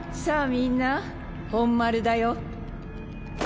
みんな本丸だよ。